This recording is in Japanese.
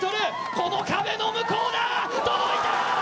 この壁の向こうに届いた！